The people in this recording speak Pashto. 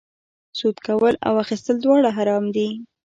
سود کول او اخیستل دواړه حرام دي